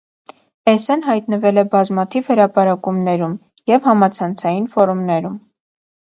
Էսսեն հայտնվել է բազմաթիվ հրապարակումներում և համացանցային ֆորումներում։